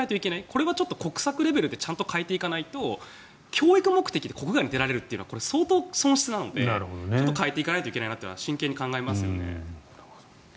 これは国策レベルでちゃんと変えていかないと教育目的で国外に出られるっていうのは相当の損失なので変えていかないといけないのは真剣に考えますよね。